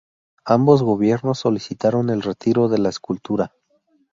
Ambos gobiernos solicitaron el retiro de la escultura.